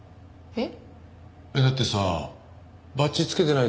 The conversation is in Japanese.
えっ？